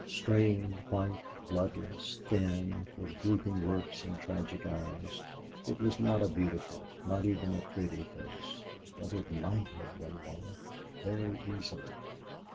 Strained, white, bloodless, thin, with drooping lips and tragic eyes, it was not a beautiful, not even a pretty face. But it might have been one very easily.